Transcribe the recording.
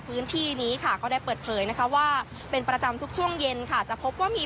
พื้นที่นี้ค่ะก็ได้เปิดเผยนะคะว่าเป็นประจำทุกช่วงเย็นค่ะจะพบว่ามี